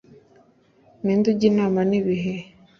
Ninde ujya inama n'ibihe